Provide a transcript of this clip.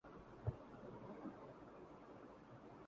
پیغمبر اور خدا کا تعلق کیا ہے؟